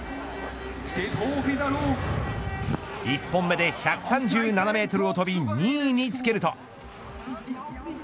１本目で１３７メートルを飛び２位につけると。